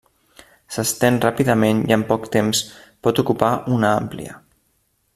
S'estén ràpidament i en poc temps pot ocupar una àmplia.